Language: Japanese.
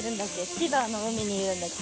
千葉の海にいるんだっけ？